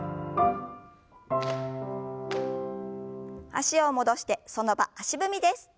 脚を戻してその場足踏みです。